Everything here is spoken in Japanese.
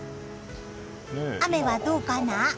雨はどうかな？